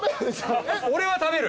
俺は食べる。